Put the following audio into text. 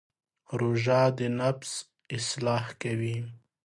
روژه د نفس اصلاح کوي.